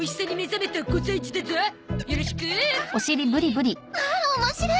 まあ面白い！